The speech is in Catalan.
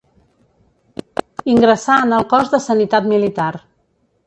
Ingressà en el cos de sanitat militar.